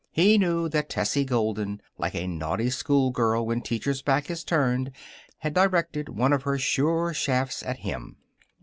He knew that Tessie Golden, like a naughty schoolgirl when teacher's back is turned, had directed one of her sure shafts at him.